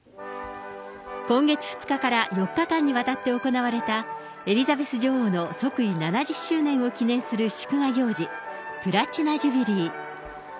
今月２日から４日間にわたって行われたエリザベス女王の即位７０周年を記念する祝賀行事、プラチナ・ジュビリー。